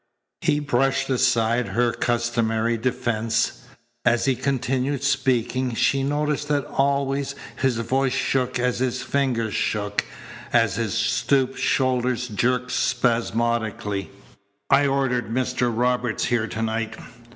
He brushed aside her customary defence. As he continued speaking she noticed that always his voice shook as his fingers shook, as his stooped shoulders jerked spasmodically. "I ordered Mr. Robert here to night.